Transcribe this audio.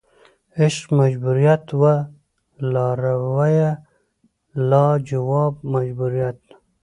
عشق مجبوریت وه لارویه لا جواب مجبوریت